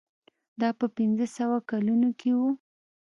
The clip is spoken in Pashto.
دا په پنځه سوه کلونو کې و.